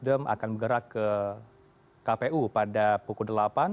pembedaan pks akan bergerak ke kpu pada pukul delapan